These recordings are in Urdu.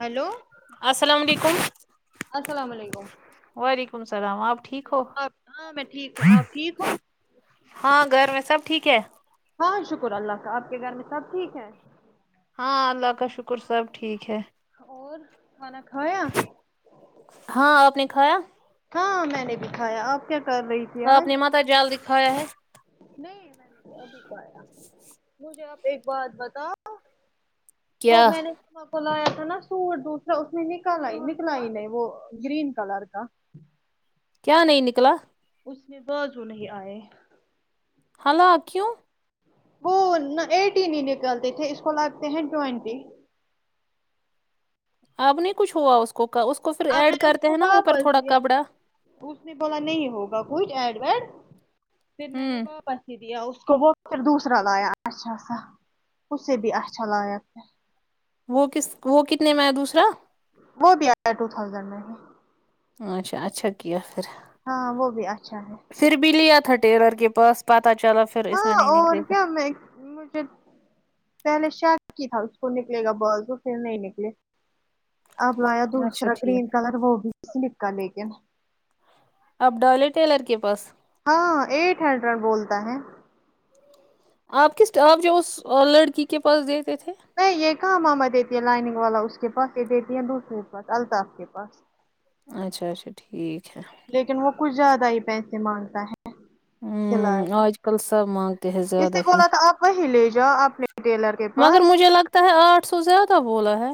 ہیلو السلام علیکم السلام علیکم وعلیکم السلام آپ ٹھیک ہو آپ ہاں میں ٹھیک ہوں آپ ٹھیک ہو ہاں گھر میں سب ٹھیک ہے ہاں شکر اللہ کا اپ کے گھر میں سب ٹھیک ہے ہاں اللہ کا شکر سب ٹھیک ہے اور کھانا کھایا ہاں آپ نے کھایا ہاں میں نے بھی کھایا اپ کیا کر رہی تھی اپ آج نے مطلب جلدی کھایا ے نہیں میں تو ابھی کھایا مجھے آپ ایک بات بتاؤ وہ کیا میں نے مما کو لایا تھا نا سوٹ دوسرا اس میں نکال نکلا ہی نہیں وہ گرین کلر کا کیا نہیں نکلا اس کے بازو نہیں آئے ہلا کیوں وہ ایٹین ہی نکلتے تھے اس کو لگتے ہیں ٹوینٹی اب نہیں کچھ ہوا اس کو اس کو پھر اب میں ایڈ نے اس کرتے کو ہیں نا اوپر واپس تھوڑا دیا کپڑا اس نے بولا نہیں ہوگا کچھ ایڈ ویڈ پھر میں نے ہوں واپس دے دیا اس کو وہ پھر دوسرا لایا اچھا سا اسے بھی اچھا لاگا تھا وہ کس وہ کتنے میں آیا دوسرا وہ بھی آیا ہے ٹو تھازینڈ میں ہی اچھا اچھا کیا پھر ہاں وہ بھی اچھا ہے پھر بھی لیا تھا ٹیلر کے پاس پتا چلا فی ہاں اور کیا میں مجھے پہلے شک ہی تھا اس کو نکلے گا بازو کے نہیں نکلے آپ لایا اچھا دوسرا کریم ٹھیک کلر وہ بھی سلک کا لیکن اب ڈالے ٹیلر کے پاس ہاں ایٹھ ہنڈریڈ بولتا ہے آپ کس ٹ آپ جو اس لڑکی کے پاس دیتے تھے نہیں یہ کہاں آمہ دیتی ہے لائنگ والا اس کے پاس یہ دیتی ہے دوسرے کے پاس الطاف کے پاس اچھا اچھا ٹھیک ہے لیکن وہ کچھ زیادہ ہی پیسے مانگتا ہے سلائی ہمم آج کل سب مانگتے ہیں اس زیادہ نے ہی بولا تھا آپ وہی لے جاؤ آپ نے ٹیلر کے پاس تا ہے آٹھ سو زیادہ بولا ہے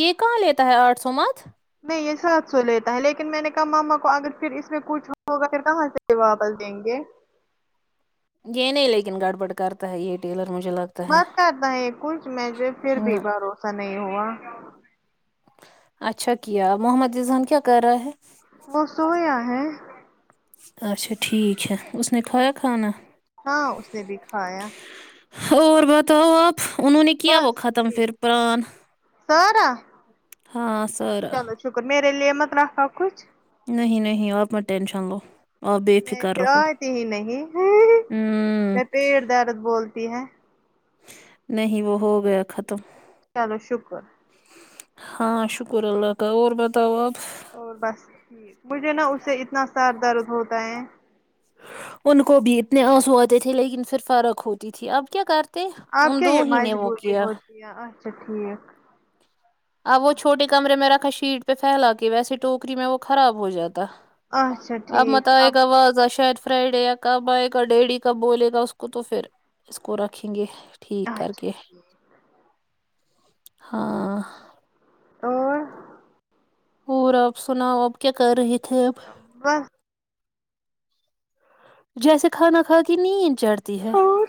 یہ کہاں لیتا ہے آٹھ سو مت نہیں یہ سات سو لیتا ہے لیکن میں نے کہا مما کو اگر پھر اس میں کچھ ہوگا پھر کہاں سے واپس دیں گے یہ نہیں لیکن گڑبڑ کرتا ہے یہ ٹیلر مجھے لگ مت کرتا ہے یہ کچھ میں جو پھر بھی نہ بھروسہ نہیں ہوا اچھا کیا محمد ریذان کیا کر رہا ہے وہ سویا ہے اچھا ٹھیک ہے اس نے کھایا کھانا ہاں اس نے بھی کھایا اور بتاؤ آپ انہوں نے کیا وہ بس ختم پھر پان سارا ہاں سارا چلو شکر میرے لیے مت رکھا کچھ نہیں نہیں آپ میں ٹشن لو آپ بے میں فکر رہو آتی ہی نہیں ہمم میں پیر درد بولتی ہیں نہیں وہ ہو گیا ختم چلو شکر ہاں شکر اللہ کا اور بتاؤ آپ اور بس مجھے نا اس سے اتنا سر درد ہوتا ہے ان کو بھی اتنے آنسو اتے تھے لیکن پھر فرق ہوتی تھی اب کیا کر تے آپ ان کیا دو یہ ہی نے وہ مجبوری کیا ہوتی اچھا ٹھیک اب وہ چھوٹے کمرے میں رکھا شیٹ پہ پھیلا کے ویسے ٹوکری میں وہ خراب ہو جاتا اچھا آب مت ٹھیک یہگ واز شاید فرائیڈے کہ آب یہ ڈیڈ کا بولے گا اس کو تو پھر اس کو رکھیں گے ٹھیک کر کے اچھا ہاں اور اور آپ سناؤ اب کیا کر رہے تھے ہم بس جیسے کھانا کھا کے نیند چڑھتی ہے اور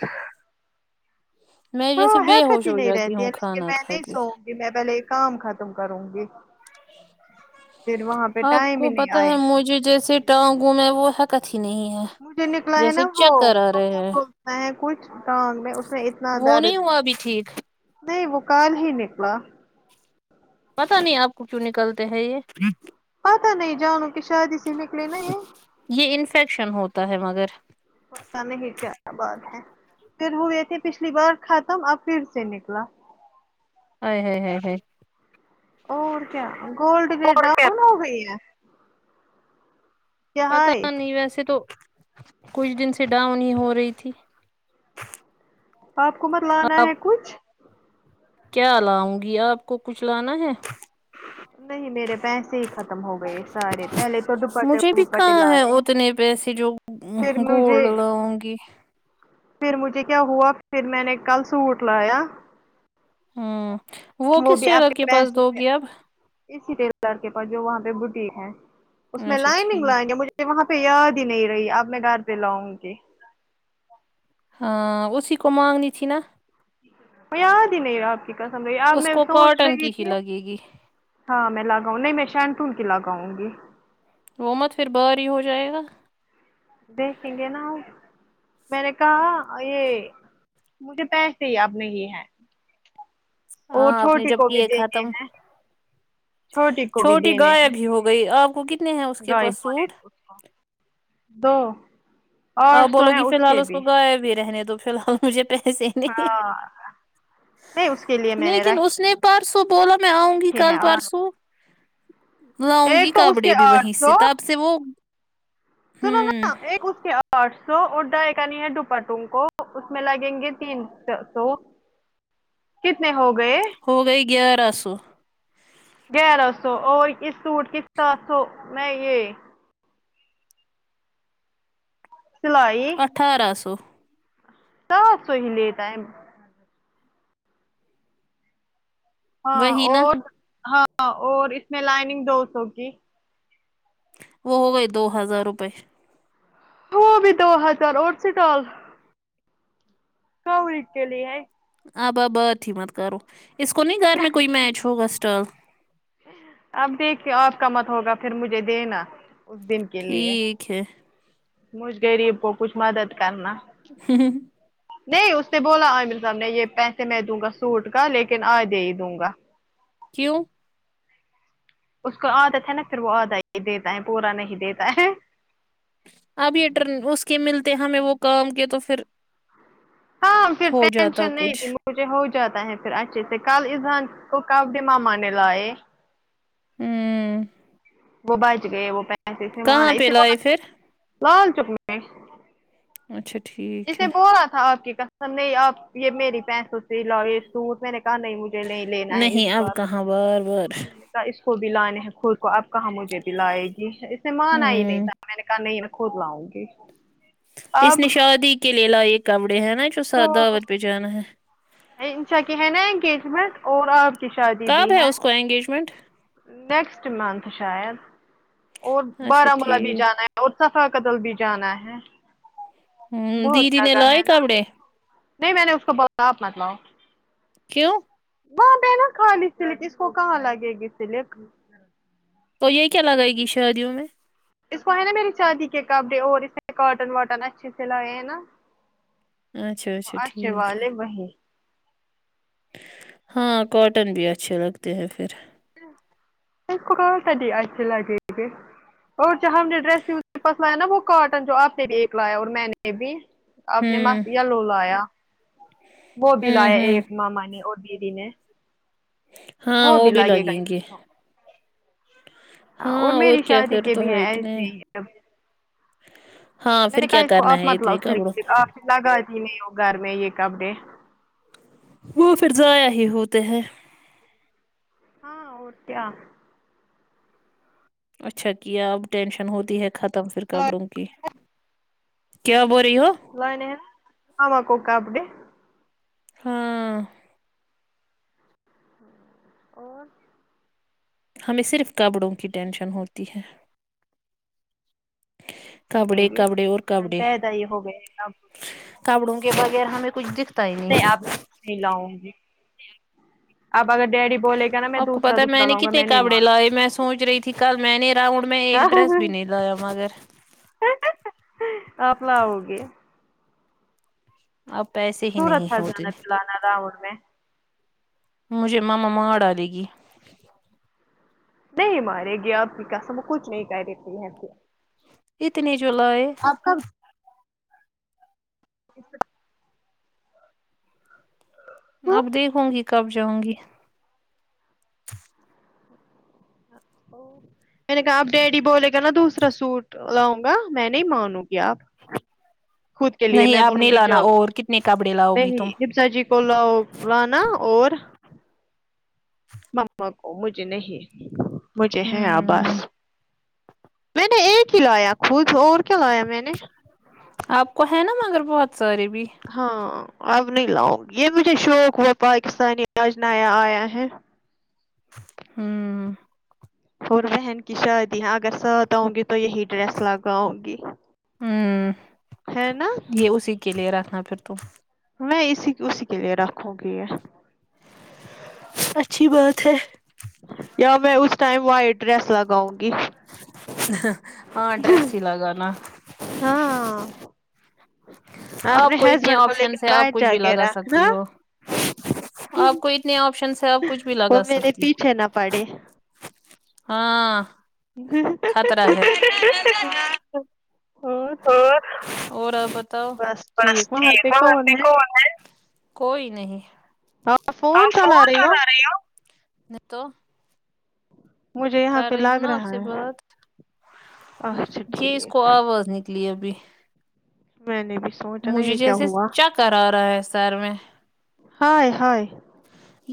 میں جیسے ہاں ہے بے ہوش کتی ہو نہیں جاتی رہتی ہے ہوں لیکن کھانا میں کھا نہیں کے سووں گی میں پہلے کام ختم کروں گی پھر وہاں پہ آپ ٹائم ہی کو نہیں پتا آئے ہے گا مجھے جیسے ٹانگوں میں وہ حرکت ہی نہیں ہے مجھے نکلا ہے جیسے نا وہ چکر آ رہے ہیں ہے کچھ ٹانگ میں اس میں اتنا وہ درد نہیں ہوا ہے ابھی ٹھیک نہیں وہ کل ہی نکلا پتا نہیں آپ کو کیوں نکلتے ہیں یہ پتا نہیں جانو کہ شاید اسی نکلے نہیں یہ انفیکشن ہوتا ہے مگر بتا نے کی کیا بات ہے پھر ہوۓ تھے پچھلی بار ختم اب پھر سے نکلا آے ہاے ہاے ہاے ہاے اور کیا گولڈ کےریٹ ڈاؤن ہو گیئ ہے کیا پتا ہائے نہیں ویسے تو کچھ دن سے ڈاؤن ہی ہو رہی تھی آپ کو مت لانا ہے آپ کچھ کیا لاؤں گی آپ کو کچھ لانا ہے نہیں میرے پیسے ہی ختم ہو گئے سارے پہلے تو مجھے بھی دوپٹےوپٹے کہاں ہے لائے اتنے پیسے جو پھر گولڈ مجھے لاؤ گی پھر مجھے کیا ہوا پھر میں نے کل سوٹ لایا ہوں وہ کس بھی ٹیلر اپنے کے پاس پیسے دو سے گی اب اسی ٹیلر کے پاس جو وہاں پہ بوٹیک ہے اس میں اچھا لائنگ لگائیں ٹھیک گے مجھے یہ وہاں پہ یاد ہی نہیں رہی اب میں گھر پہ لاؤں گی ہاں اسی کو مانگنی تھی نا یاد ہی نہیں رہا آپ کی قسم رہی آپ اس میں کو سوچ کاٹن رہی کی ہی تھی لگے گی ہاں میں لگاؤں نہیں میں شانٹون کی لگاؤں گی وہ مت پھر بھاری ہو جائے گا دیکھیں گے نا میں نے کہا یہ مجھے پیسے ہی اب نہیں ہے اور ہاں آپ نے چھوٹی جب کو بھی کیے دینے ختم ہیں چھوٹی کو بھی دینے ہیں وہی آپ کو کت دو امپورٹنٹ اس کو دو آپ آٹھ سو بولو ہے گی فی الحال کے اس بھی کوغائب رہنے تو فی الحال مجھے تو ایسے ہاں نہیں اس کے لیے میں نے لیکن رکھ اس پرسوں بولا میں آؤں گی کل پرسوں لاوں گی ایک تو اس کپڑے کے بھی آٹھ وہیں سے سو تب سے وہ سنو ہمم نا ایک اس کے اب آٹھ سو اور ڈائی کرنی ہے ڈوپٹوں کو اس میں لگیں گے تین چار سو کتنے ہو گئے ہو گئے گیارہ سو گیارہ سو اور اس سوٹ کے سات سو میں یہ سلائی اٹھارہ سو سات سو ہی لیتا ہے ہاں وہی نا اور ہاں اور اس میں لائننگ دو سو کی وہ ہوے دو ہزار روپئے وہ بھی دو ہزار اور اسٹال کوئی کے لیے ہے آب آپ بات ہی مت کرو اس کو نہ گھر میں کوئی میچ ہوگا اسٹال اب دیکھے آپ کا مت ہوگا پھر مجھے دینا اس دن کے لیے ٹھیک ہے مجھ غریب کو کچھ مدد کرنا ہوں ہوں ہوں نہیں اس نے بولا عامر صاحب نے یہ پیسے میں دوں گا سوٹ کا لیکن آ دھے ہی دوں گا کیوں اس کو عادت ہے نا پھر وہ آدھا ہی دیتا ہے پورا نہیں دیتا ہے اب یہ ٹرن اس کے ملتے ہمیں وہ کام کے تو پھر ہاں پھر ہو جاتا ٹینشن نہیں کچھ تھی مو مجھے ہو جاتا ہے پھر اچھے سے کل ایزہان کو کپڑے مما نے لائے ہوں وہ بچ گئے وہ پیسے اسے منا کہاں پہ اسے لائے ب پھر لال چوک میں اچھا ٹھیک ہے اسنے بولا تھا آپ کی قسم نہیں آپ یہ میری پیسوں سے لاے سوٹ میں نے کہا نہیں ٹینشن نہیں لینا ہے اس نہیں اب کہاں بار اس کو بھی لانے ہیں خود کو اب کہاں مجھے بھی دلائے گی اس نے مانا ہی نہیں ہوں تھا میں نے کہا نہیں خود لاؤں گی اس اب نے شادی کے لیے لائیے کپڑے ہیں نا جو س تو دعوت پہ جانا ہے انشا کہ ہے نا انگیجمنٹ اور آپ کی شادی بھی کب ہے اس کو انگیجمنٹ نیکسٹ منتھ شاید اور اچھا بارا مولہ بھی ٹھیک جانا ہے اور صفا کا دل بھی جانا ہے ہوں بہت دیدی نے جگہ ہے لائے نا کپڑے نہیں میں نے اس کو بولا آپ مت لاؤ کیوں وہاں پہ نا خالی سیلک اس کو کہاں لگے گی سیلک تو یہ کیا لگائے گی شادیوں میں اس کو ہے نا میری شادی کے کپڑے اور اس میں کاٹن واٹن اچھے سے لائے ہیں نا اچھا اچھا ٹھیک ہے والے وہی ہاں کاٹن بھی اچھے لگتے ہیں پھر اس کو کونسے آچھے لگے گے اور جو ہم نے ڈریس بھی پسویا نا وہ کاٹن جو آپ نے بھی ایک لایا اور میں نے بھی آپ نے ہوں مست یلو لایا وہ بھی ہوں لایا ہوں ایک ماما نے اور دیدی نے ہاں وہ بھی لگے گا لگیں اس گے کو ہاں اور میری کیا شادی پھر کے تو بھی ہیں ہے اتنے ایسے ہی اب ہاں پھر کیا کرنا ہے اتنے کپڑوں کو لگا تی نہیں یو گھر میں یہ کپڑے وہ نا پھر ضائع ہی ہوتے ہیں ہاں اور کیا اچھا کیا اب ٹینشن ہوتی ہے ختم پھر کپڑوں کی کیا بول رہی ہو میں نے [unintelligible] کو کپڑے ہاں اور ہمیں صرف کپڑوں کی ٹینشن ہوتی ہے کپڑے گے کپڑے اور ہم کپڑے پیدا ہی ہو گئے اب کپڑوں کے بغیر ہمیں کچھ دکھ نہیں آپ میں کچھ نہیں لاؤں گی اپ اگر ڈیڈی بولے گا نا میں آپ کو دوسرا پتا میں دوسرا نے لاؤں گا کتنے نہیں کپڑے مانوں لائے میں گی۔ سوچ رہی تھی کل میں نے راؤنڈ میں ایک ڈریس بھی نہیں لایا مگر آپ لاؤ گی اپ پیسے ہی سورت نہیں پر ہوتے جانا کلہ جانا لاروں میں مجھے ماما مار ڈالے گی نہیں مارے گی آپ کی قسم کچھ نہیں کہہ دیتی ہیں اتنی جولائیے آپ کب [unintelligible] اب دیکھوں گی کب جاؤں گی ہہ او میں نے کہا آپ ڈیڈی بولے گا نا دوسرا سوٹ لاؤں گا میں نہیں مانوں گی آپ خود کے لیے نہیں میں اب بولوں نہیں گی لانا جب اور کتنے کپڑے لاؤ گی تم نہیں دمسا جی کو لاؤ لانا اور مما کو مجھے نہیں مجھے ہے ہوں آبس میں نے ایک ہی لا یا خود اور کیا لایا میں نے آپ کو ہے نا مگر بہت سارے بھی ہاں اب نہیں لاؤں گی یہ مجھے شوق ہوا پاکستانی آج نیا آیا ہے ھممم اور بہن کی شادی ہے اگر سات اؤں گی تو یہی ڈریس لگاؤں گی ھممم ہے نا یہ اسی کے لیے رکھنا پھر تم میں اسی اسی کے لیے رکھوں گی یہ اچھی بات ہے یا میں اس ٹائم وائٹ ڈریس لگاؤں گی ہاں ڈریس ہی لگانا ہاں اپنے آپ اتنے ہسبینڈ کو لیکے آپشنس ہے باہر آپ کچھ بھی جاکے لگا رکھنا سکتی ہو آپ کو اتنے آپشنس سے آپ کچھ بھی وہ لگا میرے سکتی ہو پیچھے نہ پڑے ہاں خطرہ ہے اور اور آپ بتاو بس ٹھیک ہوں آپکے کون ہے کوئی نہیں آپ فون چلا رہی ہو نہیں تو مجھے یہاں کر پہ رہی ہوں لگ نا آپ رہا سے ہے بات اچھا یہ اس کو ٹھیک آواز نکلی ابھی میں نے بھی سوچا نا مجھے یہ کیا جیسے ہوا چکر آ رہا ہے سر میں ہائے ہائے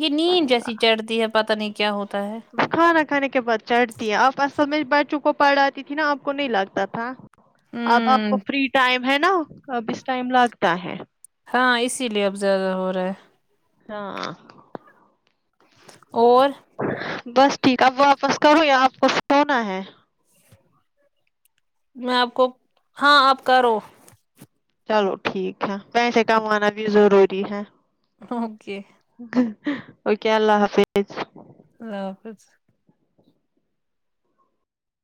یہ نیند جیسی چڑھتی ہے پتہ نہیں کیا ہوتا ہے کھانا کھانے کے بعد چڑھتی ہے آپ اصل میں بچوں کو پڑھاتی تھی نا آپ کو نہیں لگتا تھا اب آپ کو ہوں فری ٹائم ہے نا اب اس ٹائم لگتا ہے ہاں اسی لیے اب زیادہ ہو رہا ہے ہاں اور بس ٹھیک اب واپس کرو یا آپ کو سونا ہے میں آپ کو ہاں آپ کرو چلو ٹھیک ہے پیسے کمانا بھی ضروری ہے اوکے اوکے اللہ حافظ اللہ حافظ